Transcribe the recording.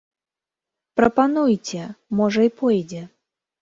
Прапануйце, можа і пойдзе.